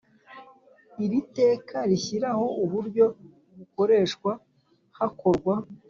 Iri teka rishyiraho uburyo bukoreshwa hakorwa